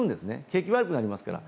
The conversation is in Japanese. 経理が悪くなりますから。